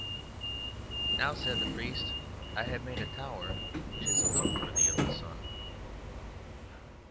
"Now," said the priest, "I have made a tower which is a little worthy of the sun."